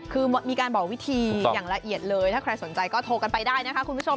คือมีการบอกวิธีอย่างละเอียดเลยถ้าใครสนใจก็โทรกันไปได้นะคะคุณผู้ชม